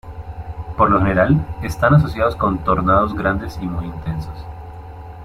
Por lo general, están asociados con tornados grandes y muy intensos.